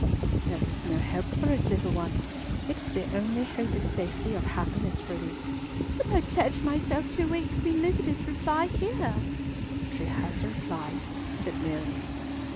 "There is no help for it, little one. It is the only hope of safety or happiness for thee." "But I pledged myself to await Queen Elizabeth's reply here!" "She has replied," said Mary.